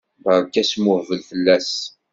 Berka asmuhbel fell-as!